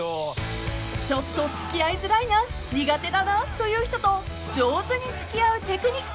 ［ちょっと付き合いづらいな苦手だなという人と上手に付き合うテクニック］